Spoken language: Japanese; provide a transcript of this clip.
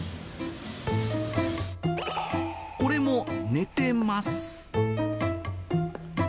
これも寝てます。